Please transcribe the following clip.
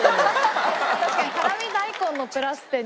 確かに辛味大根のプラス点みたいな。